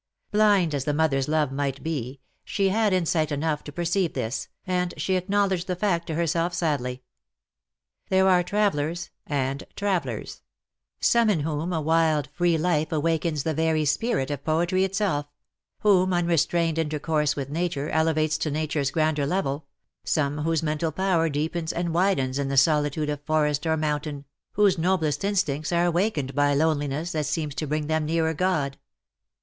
Blind as the mother^s love might be, she had insight enough to perceive this, and she acknowledged the fact to herself sadly. There are travellers and travellers : some in whom a wild free life awakens the very spirit of poetry itself — whom unrestrained intercourse with Nature elevates to Nature^s grander level — some w^hose mental power deepens and widens in the solitude of forest or mountain, whose noblest in stincts are awakened by loneliness that seems to bring them nearer God.